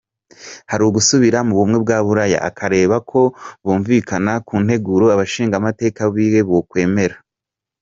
hari gusubira mu Bumwe bwa Bulaya akaraba ko bumvikana ku nteguro abashingamateka biwe bokwemera,.